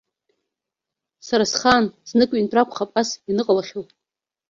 Сара схаан знык-ҩынтә ракәхап ас ианыҟалахьоу.